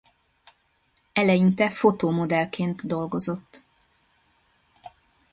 Eleinte fotómodellként dolgozott.